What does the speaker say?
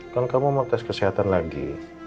kalau kamu mau tes kesehatan lagi